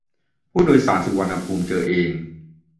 ผู้โดยสารสุวรรณภูมิเจอเอง